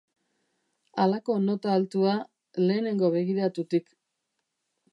Halako nota altua, lehenengo begiratutik.